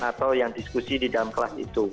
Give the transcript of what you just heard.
atau yang diskusi di dalam kelas itu